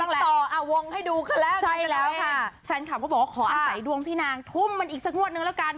มันต้องโดยต่ออ่ะวงให้ดูเขาแล้วใช่แล้วค่ะแฟนคำก็บอกว่าขออาศัยดวงพี่นางทุ่มมันอีกสักนวดหนึ่งแล้วกัน